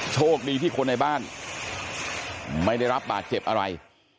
โชคดีที่คนในบ้านไม่ได้รับบาดเจ็บอะไร